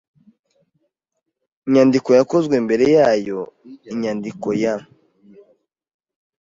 nyandiko yakozwe mbere yayo inyandiko ya